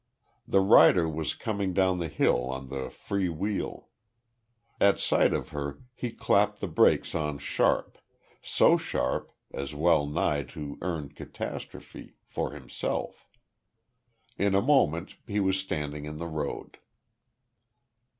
The rider was coming down the hill on the free wheel. At sight of her he clapped the brakes on sharp; so sharp, as well nigh to earn catastrophe for himself. In a moment he was standing in the road.